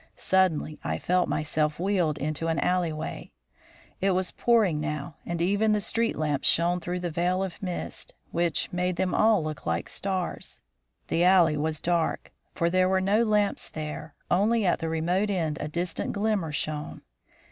Suddenly I felt myself wheeled into an alley way. It was pouring now, and even the street lamps shone through a veil of mist, which made them all look like stars. The alley was dark, for there were no lamps there; only at the remote end a distant glimmer shone.